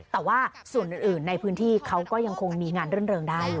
แต่ว่าส่วนอื่นในพื้นที่เขาก็ยังคงมีงานรื่นเริงได้